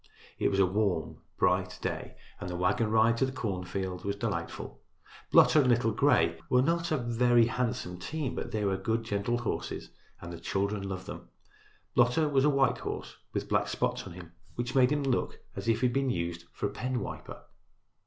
It was a warm, bright day and the wagon ride to the cornfield was delightful. Blotter and Little Gray were not a very handsome team, but they were good gentle horses and the children loved them. Blotter was a white horse with black spots on him, which made him look as if he had been used for a pen wiper.